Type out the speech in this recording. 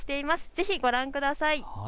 ぜひご覧ください。